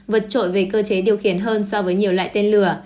vượt trội về cơ chế điều khiển hơn so với nhiều loại tên lửa